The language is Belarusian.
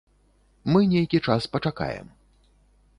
Мы нейкі час пачакаем.